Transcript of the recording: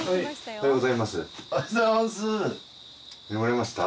おはようございます。